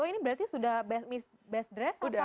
oh ini berarti sudah miss best dress